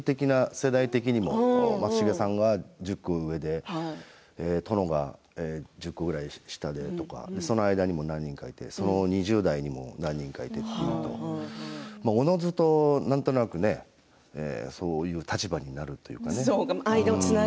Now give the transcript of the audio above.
世代的にも松重さんが１０個上で殿が１０個ぐらい下でその間にも何人かいて２０代もいておのずと、なんとなくねそういう立場になるというか。